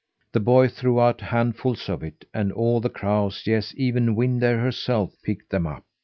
The boy threw out handfuls of it, and all the crows yes, even Wind Air herself picked them up.